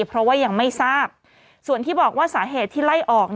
เพราะว่ายังไม่ทราบส่วนที่บอกว่าสาเหตุที่ไล่ออก